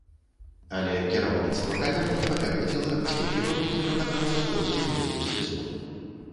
Але кіраўніцтва кавярні папярэдзіла, што піва будзе прадавацца толькі ў летні сезон.